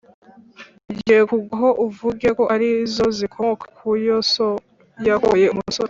tugiye kugwaho uvuge ko ari zo zikomoka ku yo so yakoye." umusore